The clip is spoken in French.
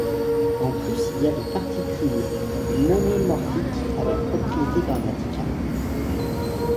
En plus, il y a des particules monomorphiques avec propriétés grammaticales.